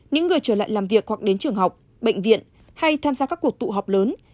những người trở lại làm việc hoặc đến trường học bệnh viện hay tham gia các cuộc tụ họp lớn